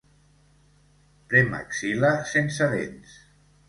Premaxil·la sense dents.